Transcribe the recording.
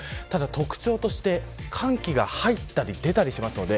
特徴として寒気が入ったり出たりしますので